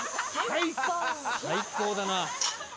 最高だな。